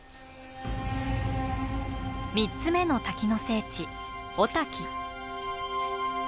３つ目の滝の聖地男瀧。